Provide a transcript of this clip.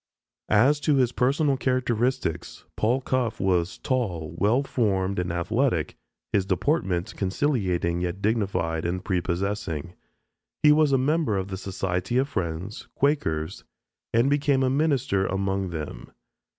As to his personal characteristics: Paul Cuffe was "tall, well formed and athletic, his deportment conciliating yet dignified and prepossessing. He was a member of the Society of Friends (Quakers) and became a minister among them....